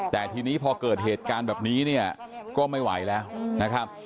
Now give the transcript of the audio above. แต่ทีนี้พอเกิดเหตุการณ์แบบนี้เนี่ยก็ไม่ไหวแล้วนะครับ